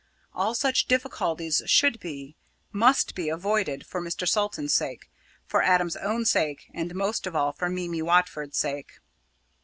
All such difficulties should be must be avoided for Mr. Salton's sake, for Adam's own sake, and, most of all, for Mimi Watford's sake.